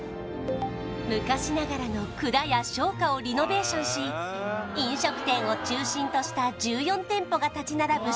昔ながらの蔵や商家をリノベーションし飲食店を中心とした１４店舗が立ち並ぶ